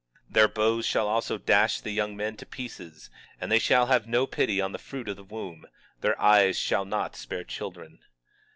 23:18 Their bows shall also dash the young men to pieces, and they shall have no pity on the fruit of the womb; their eyes shall not spare children.